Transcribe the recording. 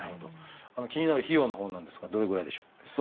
気になる費用のほうなんですがどれぐらいでしょう？